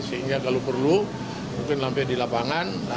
sehingga kalau perlu mungkin sampai di lapangan